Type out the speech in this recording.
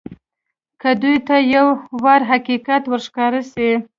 که دوى ته يو وار حقيقت ورښکاره سي.